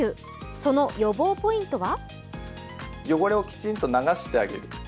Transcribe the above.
その予防ポイントは？